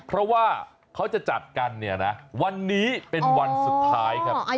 เพราะว่าเขาจะจัดกันเนี่ยนะวันนี้เป็นวันสุดท้ายครับ